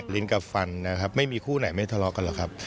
ลิ้นกับฟันนะครับไม่มีคู่ไหนไม่ทะเลาะกันหรอกครับ